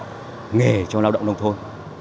danh mục nghề đào tạo cho lao động nông thôn